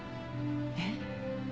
えっ？